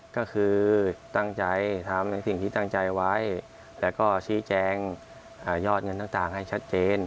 ก็คือตั้งใจทำในสิ่งที่ตั้งใจไว้แล้วก็ชี้แจงยอดเงินต่างให้ชัดเจน